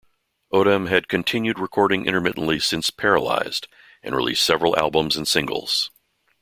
Odam has continued recording intermittently since "Paralyzed" and released several albums and singles.